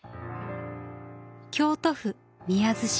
京都府宮津市。